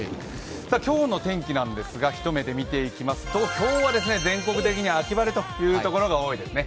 今日の天気なんですが、一目で見ていきますと今日は全国的に秋晴れというところが多いですね。